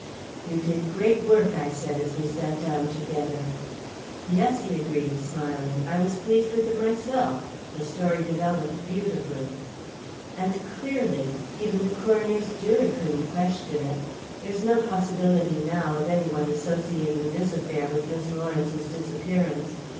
"You did great work," I said, as we sat down together. "Yes," he agreed, smiling, "I was pleased with it myself. The story developed beautifully." "And clearly. Even the coroner's jury couldn't question it. There's no possibility, now, of any one associating this affair with Miss Lawrence's disappearance.